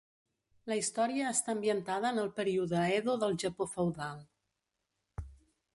La història està ambientada en el període Edo del Japó feudal.